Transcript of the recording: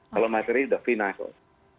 kalau materi sudah final